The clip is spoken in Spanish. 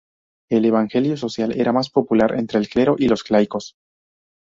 El Evangelio Social era más popular entre el clero que los laicos.